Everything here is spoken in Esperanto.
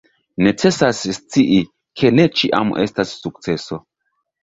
Necesas scii, ke ne ĉiam estas sukceso.